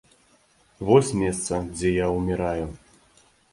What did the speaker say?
Вось месца, дзе я ўміраю.